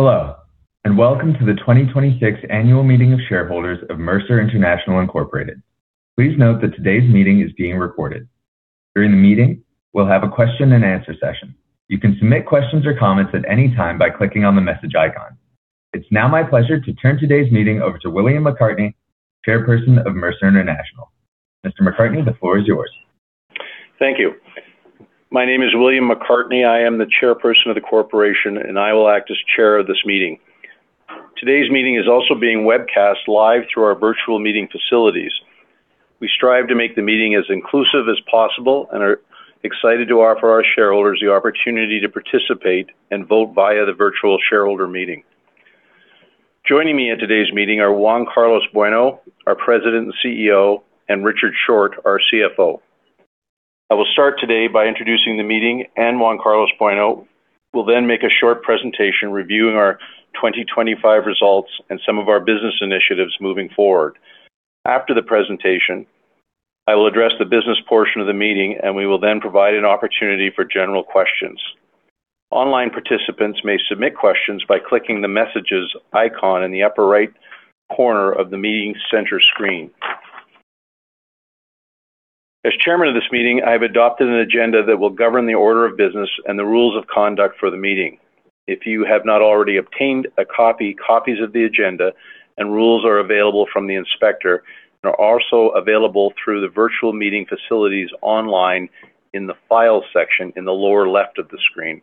Hello, welcome to the 2026 Annual Meeting of Shareholders of Mercer International Inc.. Please note that today's meeting is being recorded. During the meeting, we'll have a question and answer session. You can submit questions or comments at any time by clicking on the message icon. It's now my pleasure to turn today's meeting over to William McCartney, Chairperson of Mercer International. Mr. McCartney, the floor is yours. Thank you. My name is William McCartney. I am the Chairperson of the corporation, and I will act as chair of this meeting. Today's meeting is also being webcast live through our virtual meeting facilities. We strive to make the meeting as inclusive as possible and are excited to offer our shareholders the opportunity to participate and vote via the virtual shareholder meeting. Joining me at today's meeting are Juan Carlos Bueno, our President and CEO, and Richard Short, our CFO. I will start today by introducing the meeting, and Juan Carlos Bueno will then make a short presentation reviewing our 2025 results and some of our business initiatives moving forward. After the presentation, I will address the business portion of the meeting, and we will then provide an opportunity for general questions. Online participants may submit questions by clicking the messages icon in the upper right corner of the meeting center screen. As Chairman of this meeting, I have adopted an agenda that will govern the order of business and the rules of conduct for the meeting. If you have not already obtained a copy, copies of the agenda and rules are available from the Inspector and are also available through the virtual meeting facilities online in the file section in the lower left of the screen.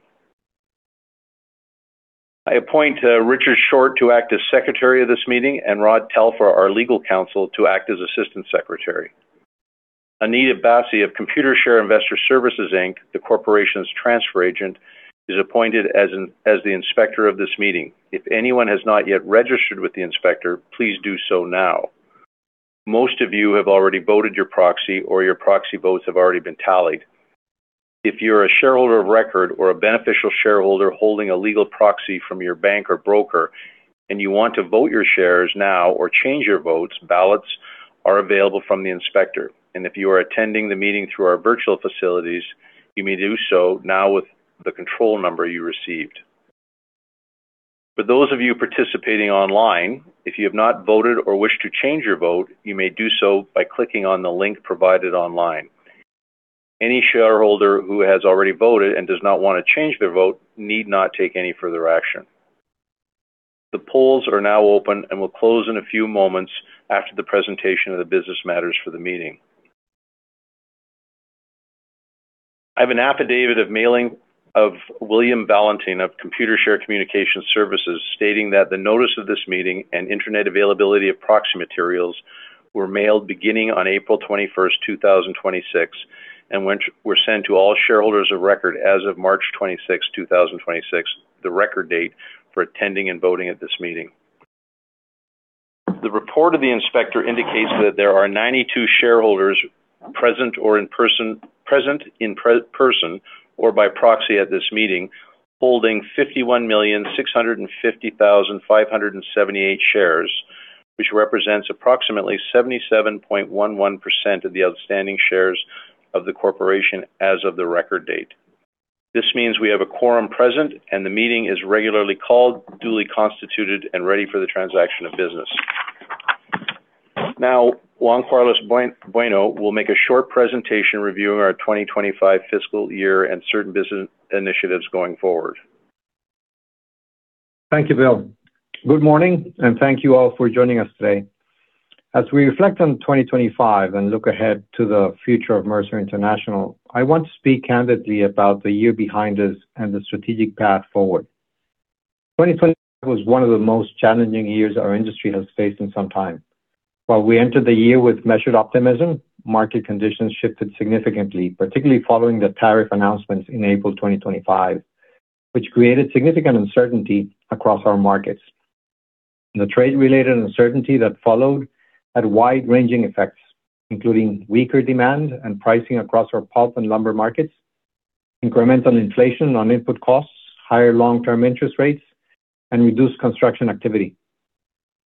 I appoint Richard Short to act as Secretary of this meeting and Rod Telfer, our Legal Counsel, to act as Assistant Secretary. Anita Bassi of Computershare Investor Services Inc., the corporation's transfer agent, is appointed as the Inspector of this meeting. If anyone has not yet registered with the Inspector, please do so now. Most of you have already voted your proxy or your proxy votes have already been tallied. If you're a shareholder of record or a beneficial shareholder holding a legal proxy from your bank or broker and you want to vote your shares now or change your votes, ballots are available from the inspector. If you are attending the meeting through our virtual facilities, you may do so now with the control number you received. For those of you participating online, if you have not voted or wish to change your vote, you may do so by clicking on the link provided online. Any shareholder who has already voted and does not want to change their vote need not take any further action. The polls are now open and will close in a few moments after the presentation of the business matters for the meeting. I have an affidavit of mailing of William Valentin of Computershare Communication Services, stating that the notice of this meeting and internet availability of proxy materials were mailed beginning on April 21st, 2026, and were sent to all shareholders of record as of March 26th, 2026, the record date for attending and voting at this meeting. The report of the inspector indicates that there are 92 shareholders present in person or by proxy at this meeting, holding 51,650,578 shares, which represents approximately 77.11% of the outstanding shares of the corporation as of the record date. This means we have a quorum present, and the meeting is regularly called, duly constituted, and ready for the transaction of business. Now, Juan Carlos Bueno will make a short presentation reviewing our 2025 fiscal year and certain business initiatives going forward. Thank you, Bill McCartney. Good morning. Thank you all for joining us today. As we reflect on 2025 and look ahead to the future of Mercer International, I want to speak candidly about the year behind us and the strategic path forward. 2025 was one of the most challenging years our industry has faced in some time. While we entered the year with measured optimism, market conditions shifted significantly, particularly following the tariff announcements in April 2025, which created significant uncertainty across our markets. The trade-related uncertainty that followed had wide-ranging effects, including weaker demand and pricing across our pulp and lumber markets, incremental inflation on input costs, higher long-term interest rates, and reduced construction activity.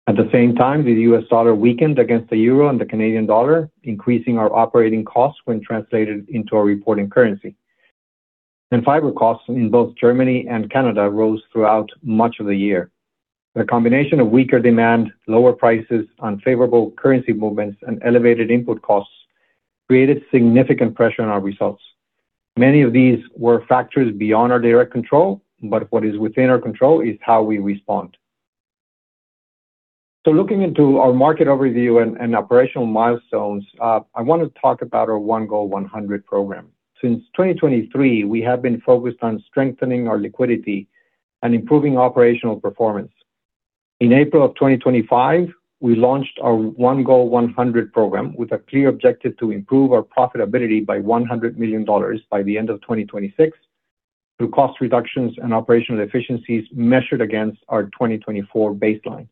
At the same time, the U.S. dollar weakened against the euro and the Canadian dollar, increasing our operating costs when translated into our reporting currency. Fiber costs in both Germany and Canada rose throughout much of the year. The combination of weaker demand, lower prices, unfavorable currency movements, and elevated input costs created significant pressure on our results. Many of these were factors beyond our direct control, but what is within our control is how we respond. Looking into our market overview and operational milestones, I want to talk about our One Goal One Hundred program. Since 2023, we have been focused on strengthening our liquidity and improving operational performance. In April of 2025, we launched our One Goal One Hundred program with a clear objective to improve our profitability by $100 million by the end of 2026 through cost reductions and operational efficiencies measured against our 2024 baseline.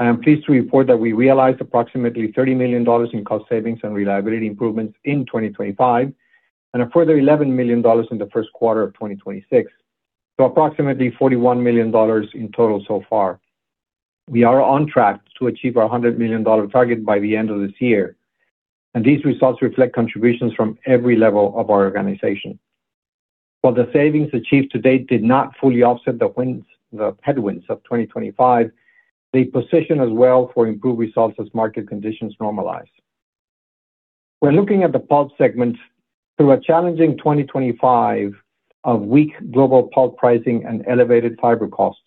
I am pleased to report that we realized approximately $30 million in cost savings and reliability improvements in 2025, and a further $11 million in the Q1 of 2026. Approximately $41 million in total so far. We are on track to achieve our $100 million target by the end of this year. These results reflect contributions from every level of our organization. While the savings achieved to date did not fully offset the headwinds of 2025, they position us well for improved results as market conditions normalize. When looking at the pulp segment through a challenging 2025 of weak global pulp pricing and elevated fiber costs,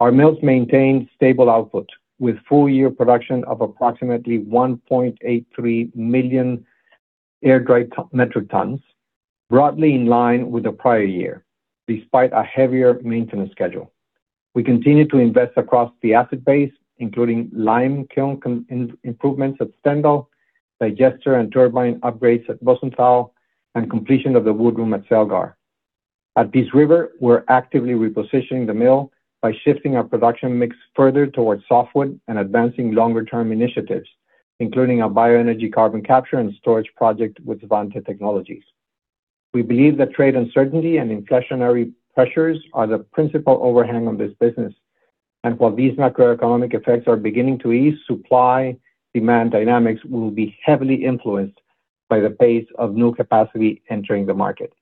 our mills maintained stable output with full-year production of approximately 1.83 million air-dried metric tons, broadly in line with the prior year, despite a heavier maintenance schedule. We continue to invest across the asset base, including lime kiln improvements at Stendal, digester and turbine upgrades at Rosenthal, and completion of the wood room at Celgar. At Peace River, we're actively repositioning the mill by shifting our production mix further towards softwood and advancing longer-term initiatives, including a bioenergy carbon capture and storage project with Svante Technologies. We believe that trade uncertainty and inflationary pressures are the principal overhang on this business. While these macroeconomic effects are beginning to ease, supply-demand dynamics will be heavily influenced by the pace of new capacity entering the market.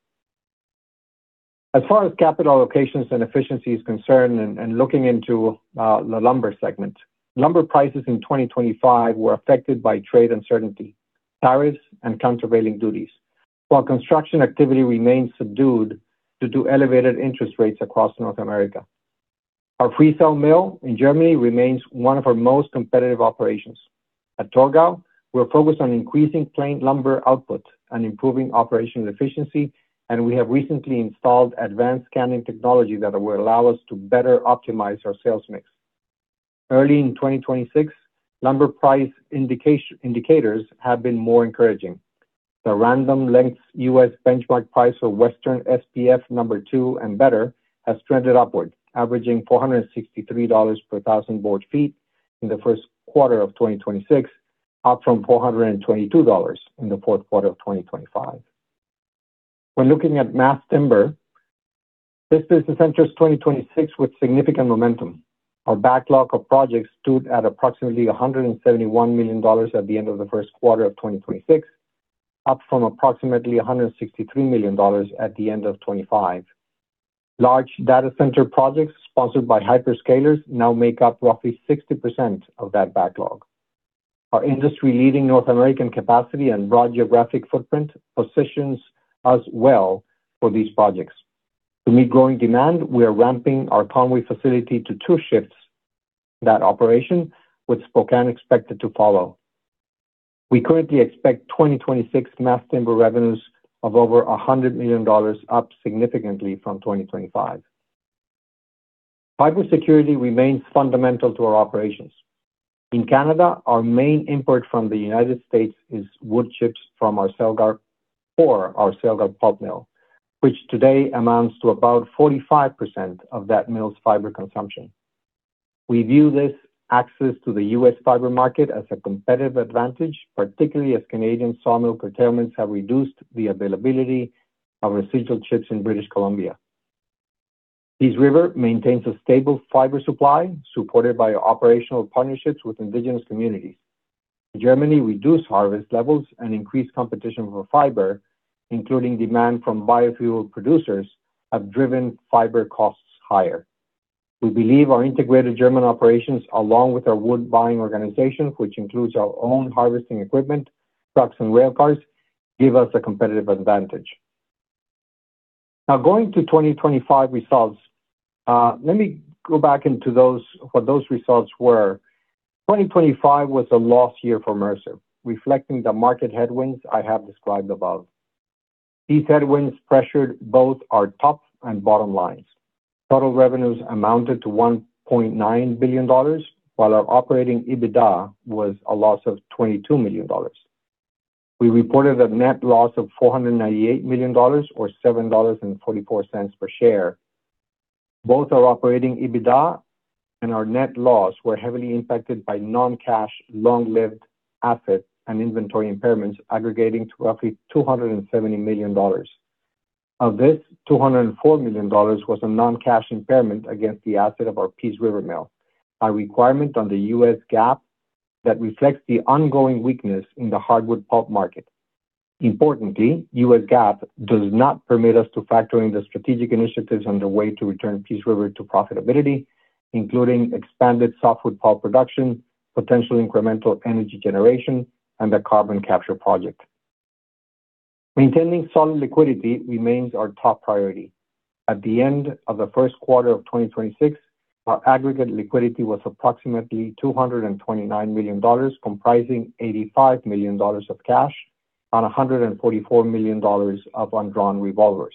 As far as capital allocations and efficiency is concerned and looking into the lumber segment, lumber prices in 2025 were affected by trade uncertainty, tariffs, and countervailing duties while construction activity remains subdued due to elevated interest rates across North America. Our [free-field] mill in Germany remains one of our most competitive operations. At Torgau, we're focused on increasing planed lumber output and improving operational efficiency. We have recently installed advanced scanning technology that will allow us to better optimize our sales mix. Early in 2026, lumber price indicators have been more encouraging. The Random Lengths U.S. benchmark price for Western SPF number 2 and better has trended upward, averaging $463 per 1,000 board feet in the Q1 of 2026, up from $422 in the Q4 of 2025. When looking at mass timber, this business enters 2026 with significant momentum. Our backlog of projects stood at approximately $171 million at the end of the Q1 of 2026, up from approximately $163 million at the end of 2025. Large data center projects sponsored by hyperscalers now make up roughly 60% of that backlog. Our industry-leading North American capacity and broad geographic footprint positions us well for these projects. To meet growing demand, we are ramping our Conway facility to two shifts. That operation with Spokane expected to follow. We currently expect 2026 mass timber revenues of over $100 million, up significantly from 2025. Fiber security remains fundamental to our operations. In Canada, our main import from the U.S. is wood chips for our Celgar pulp mill, which today amounts to about 45% of that mill's fiber consumption. We view this access to the U.S. fiber market as a competitive advantage, particularly as Canadian sawmill procurements have reduced the availability of residual chips in British Columbia. Peace River maintains a stable fiber supply supported by operational partnerships with indigenous communities. In Germany, reduced harvest levels and increased competition for fiber, including demand from biofuel producers, have driven fiber costs higher. We believe our integrated German operations, along with our wood buying organization, which includes our own harvesting equipment, trucks, and rail cars, give us a competitive advantage. Now going to 2025 results, let me go back into what those results were. 2025 was a loss year for Mercer, reflecting the market headwinds I have described above. These headwinds pressured both our top and bottom lines. Total revenues amounted to $1.9 billion, while our operating EBITDA was a loss of $22 million. We reported a net loss of $498 million or $7.44 per share. Both our operating EBITDA and our net loss were heavily impacted by non-cash long-lived assets and inventory impairments aggregating to roughly $270 million. Of this, $204 million was a non-cash impairment against the asset of our Peace River mill, a requirement on the U.S. GAAP that reflects the ongoing weakness in the hardwood pulp market. Importantly, U.S. GAAP does not permit us to factor in the strategic initiatives underway to return Peace River to profitability, including expanded softwood pulp production, potential incremental energy generation, and the carbon capture project. Maintaining solid liquidity remains our top priority. At the end of the Q1 of 2026, our aggregate liquidity was approximately $229 million, comprising $85 million of cash and $144 million of undrawn revolvers.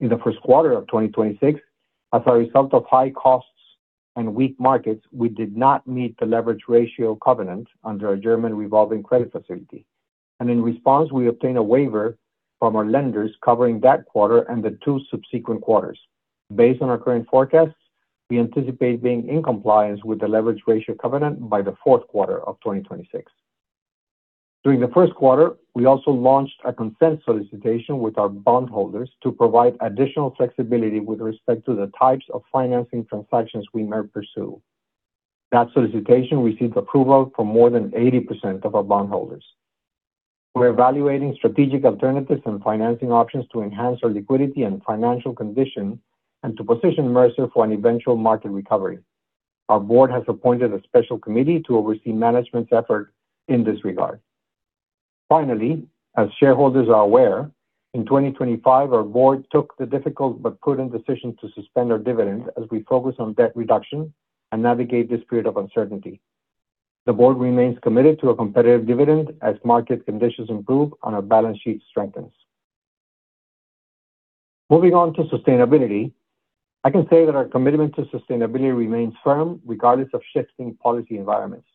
In the Q1 of 2026, as a result of high costs and weak markets, we did not meet the leverage ratio covenant under our German revolving credit facility. In response, we obtained a waiver from our lenders covering that quarter and the two subsequent quarters. Based on our current forecasts, we anticipate being in compliance with the leverage ratio covenant by Q4 of 2026. During Q1, we also launched a consent solicitation with our bondholders to provide additional flexibility with respect to the types of financing transactions we may pursue. That solicitation received approval from more than 80% of our bondholders. We're evaluating strategic alternatives and financing options to enhance our liquidity and financial condition and to position Mercer for an eventual market recovery. Our board has appointed a special committee to oversee management's effort in this regard. Finally, as shareholders are aware, in 2025, our board took the difficult but prudent decision to suspend our dividend as we focus on debt reduction and navigate this period of uncertainty. The board remains committed to a competitive dividend as market conditions improve and our balance sheet strengthens. Moving on to sustainability, I can say that our commitment to sustainability remains firm regardless of shifting policy environments.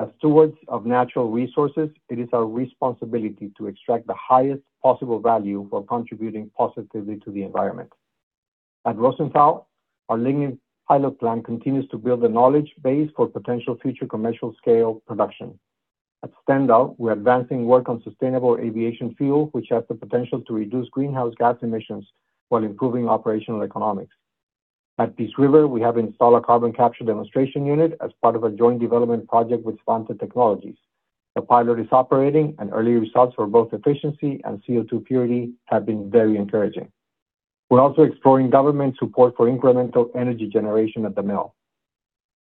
As stewards of natural resources, it is our responsibility to extract the highest possible value while contributing positively to the environment. At Rosenthal, our lignin pilot plant continues to build the knowledge base for potential future commercial-scale production. At Stendal, we are advancing work on sustainable aviation fuel, which has the potential to reduce greenhouse gas emissions while improving operational economics. At Peace River, we have installed a carbon capture demonstration unit as part of a joint development project with Svante Technologies. The pilot is operating, and early results for both efficiency and CO2 purity have been very encouraging. We're also exploring government support for incremental energy generation at the mill,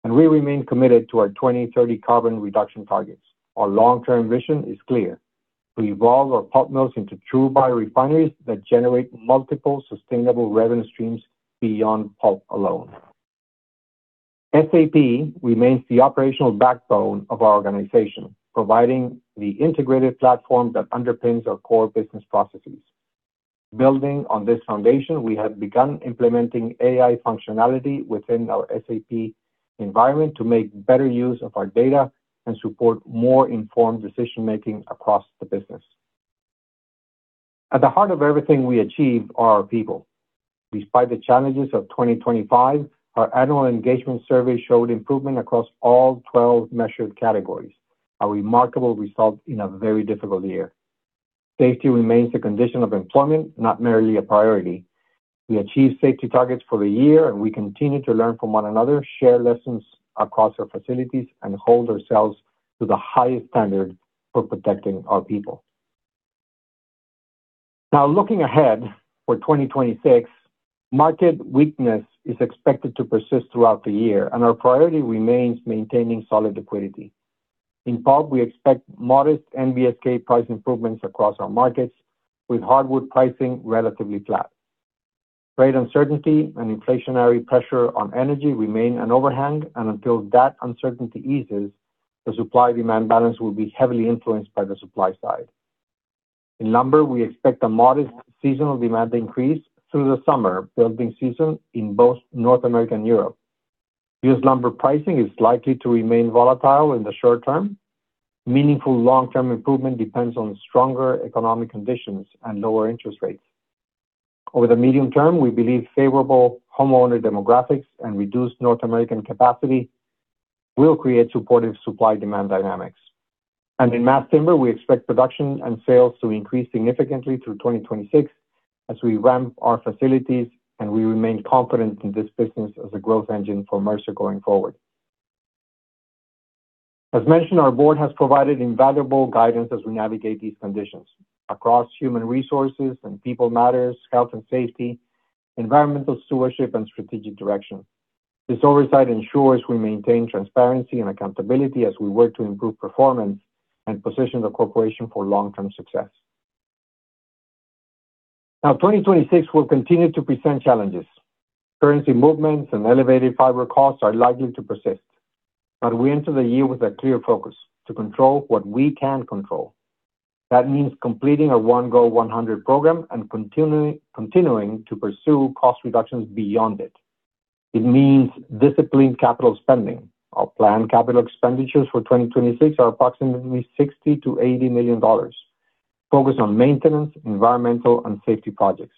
and we remain committed to our 2030 carbon reduction targets. Our long-term vision is clear. We evolve our pulp mills into true biorefineries that generate multiple sustainable revenue streams beyond pulp alone. SAP remains the operational backbone of our organization, providing the integrated platform that underpins our core business processes. Building on this foundation, we have begun implementing AI functionality within our SAP environment to make better use of our data and support more informed decision-making across the business. At the heart of everything we achieve are our people. Despite the challenges of 2025, our annual engagement survey showed improvement across all 12 measured categories, a remarkable result in a very difficult year. Safety remains the condition of employment, not merely a priority. We achieved safety targets for the year, and we continue to learn from one another, share lessons across our facilities, and hold ourselves to the highest standard for protecting our people. Now, looking ahead for 2026, market weakness is expected to persist throughout the year, and our priority remains maintaining solid liquidity. In pulp, we expect modest NBSK price improvements across our markets, with hardwood pricing relatively flat. Great uncertainty and inflationary pressure on energy remain an overhang, and until that uncertainty eases, the supply-demand balance will be heavily influenced by the supply side. In lumber, we expect a modest seasonal demand increase through the summer building season in both North America and Europe. U.S. lumber pricing is likely to remain volatile in the short term. Meaningful long-term improvement depends on stronger economic conditions and lower interest rates. Over the medium term, we believe favorable homeowner demographics and reduced North American capacity will create supportive supply-demand dynamics. In mass timber, we expect production and sales to increase significantly through 2026 as we ramp our facilities, and we remain confident in this business as a growth engine for Mercer going forward. As mentioned, our board has provided invaluable guidance as we navigate these conditions across human resources and people matters, health and safety, environmental stewardship, and strategic direction. This oversight ensures we maintain transparency and accountability as we work to improve performance and position the corporation for long-term success. Now, 2026 will continue to present challenges. Currency movements and elevated fiber costs are likely to persist. We enter the year with a clear focus: to control what we can control. That means completing our One Goal One Hundred program and continuing to pursue cost reductions beyond it. It means disciplined capital spending. Our planned capital expenditures for 2026 are approximately $60 million-$80 million, focused on maintenance, environmental, and safety projects.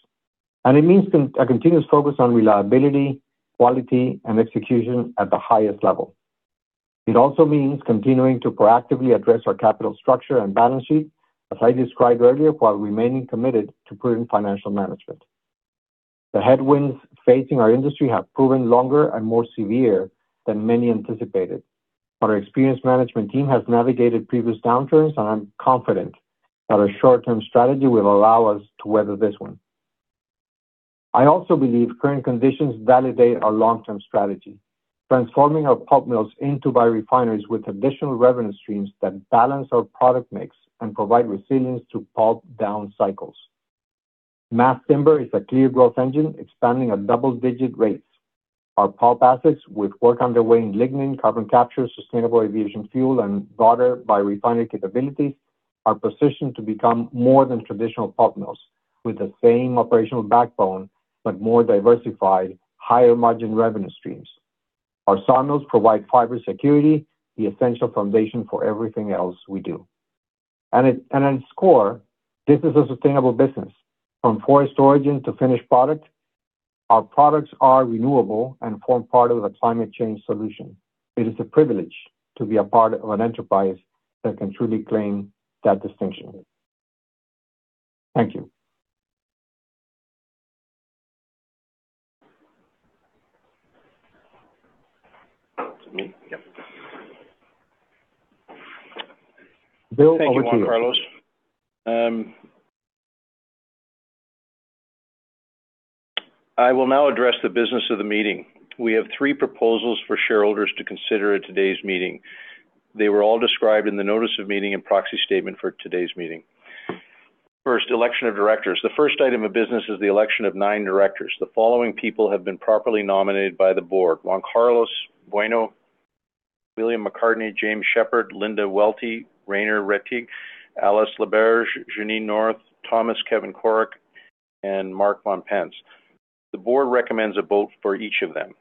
It means a continuous focus on reliability, quality, and execution at the highest level. It also means continuing to proactively address our capital structure and balance sheet, as I described earlier, while remaining committed to prudent financial management. The headwinds facing our industry have proven longer and more severe than many anticipated. Our experienced management team has navigated previous downturns, and I'm confident that our short-term strategy will allow us to weather this one. I also believe current conditions validate our long-term strategy, transforming our pulp mills into biorefineries with additional revenue streams that balance our product mix and provide resilience to pulp down cycles. Mass timber is a clear growth engine, expanding at double-digit rates. Our pulp assets with work underway in lignin, carbon capture, sustainable aviation fuel, and broader biorefinery capabilities are positioned to become more than traditional pulp mills with the same operational backbone but more diversified, higher-margin revenue streams. Our sawmills provide fiber security, the essential foundation for everything else we do. At its core, this is a sustainable business. From forest origin to finished product. Our products are renewable and form part of the climate change solution. It is a privilege to be a part of an enterprise that can truly claim that distinction. Thank you. Is it me? Yep. Bill McCartney, over to you. Thank you, Juan Carlos. I will now address the business of the meeting. We have three proposals for shareholders to consider at today's meeting. They were all described in the notice of meeting and proxy statement for today's meeting. First, election of directors. The first item of business is the election of nine directors. The following people have been properly nominated by the board: Juan Carlos Bueno, William McCartney, James Shepherd, Linda Welty, Rainer Rettig, Alice Laberge, Janine North, Thomas Kevin Corrick, and Mark von Pentz. The board recommends a vote for each of them.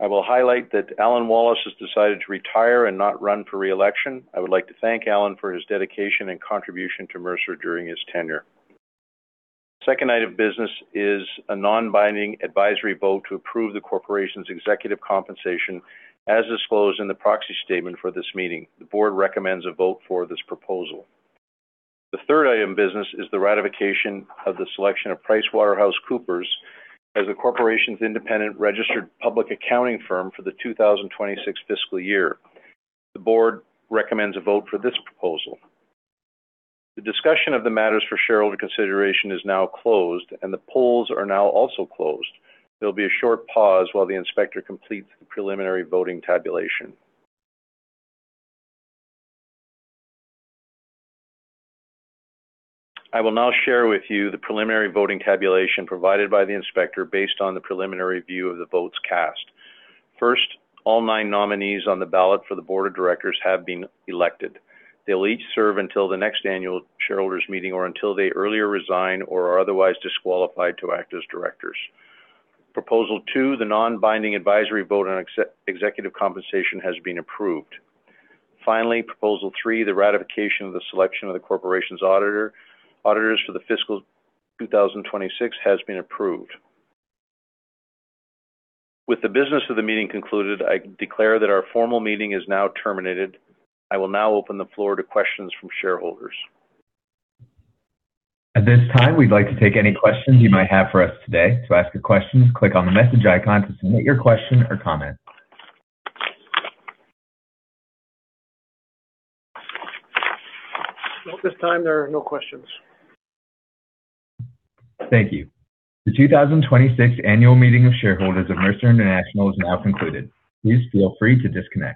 I will highlight that Alan Wallace has decided to retire and not run for re-election. I would like to thank Alan for his dedication and contribution to Mercer during his tenure. Second item of business is a non-binding advisory vote to approve the corporation's executive compensation as disclosed in the proxy statement for this meeting. The board recommends a vote for this proposal. The third item of business is the ratification of the selection of PricewaterhouseCoopers as the corporation's independent registered public accounting firm for the 2026 fiscal year. The board recommends a vote for this proposal. The discussion of the matters for shareholder consideration is now closed, and the polls are now also closed. There'll be a short pause while the inspector completes the preliminary voting tabulation. I will now share with you the preliminary voting tabulation provided by the inspector based on the preliminary view of the votes cast. First, all nine nominees on the ballot for the board of directors have been elected. They'll each serve until the next annual shareholders meeting or until they earlier resign or are otherwise disqualified to act as directors. Proposal 2, the non-binding advisory vote on executive compensation, has been approved. Finally, proposal three, the ratification of the selection of the corporation's auditors for the fiscal 2026, has been approved. With the business of the meeting concluded, I declare that our formal meeting is now terminated. I will now open the floor to questions from shareholders. At this time, we'd like to take any questions you might have for us today. To ask a question, click on the message icon to submit your question or comment. At this time, there are no questions. Thank you. The 2026 annual meeting of shareholders of Mercer International is now concluded. Please feel free to disconnect.